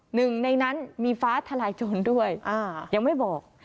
หนึ่งในนั้นมีฟ้าทลายโจรด้วยยังไม่บอก